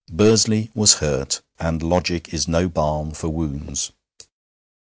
Bursley was hurt, and logic is no balm for wounds.